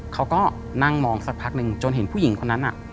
เขาก็นั่งมองสักพักหนึ่งจนเห็นผู้หญิงคนนั้น